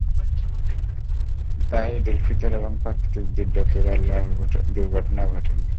তাই ঈদুল ফিতরে এবং প্রাকৃতিক দুর্যোগে এবার কোনো লঞ্চ দুর্ঘটনা ঘটেনি।